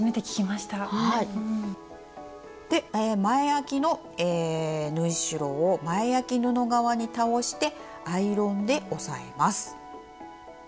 前あきの縫い代を前あき布側に倒してアイロンで押さえます。